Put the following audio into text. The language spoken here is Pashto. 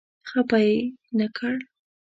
خپه یې نه کړ.